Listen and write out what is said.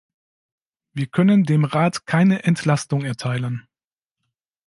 Wir können dem Rat keine Entlastung erteilen.